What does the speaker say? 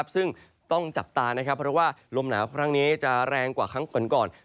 ซึ่งต้องจับตานะครับเพราะว่าลมหนาวครั้งนี้จะแรงกว่าครั้งก่อน